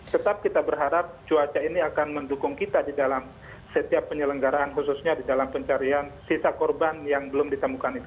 tetap kita berharap cuaca ini akan mendukung kita di dalam setiap penyelenggaraan khususnya di dalam pencarian sisa korban yang belum ditemukan itu